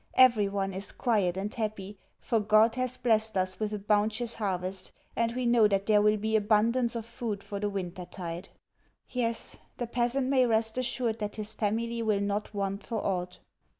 Everyone is quiet and happy, for God has blessed us with a bounteous harvest, and we know that there will be abundance of food for the wintertide. Yes, the peasant may rest assured that his family will not want for aught.